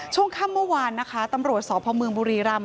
ช่วงค่ำเมื่อวานนะคะตำรวจสพเมืองบุรีรำ